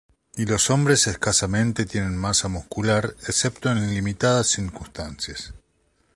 Y los hombres escasamente tienen masa muscular, excepto en limitadas circunstancias.